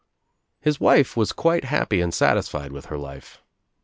His wife was quite happy and satisfied with her life.